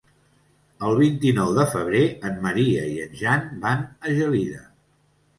El vint-i-nou de febrer en Maria i en Jan van a Gelida.